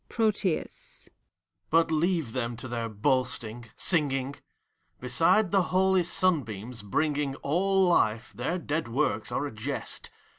PROTHUS. But leave them to their boasting, singing! . Beside the holy simbeams, bringing All life, their dead works are a jest.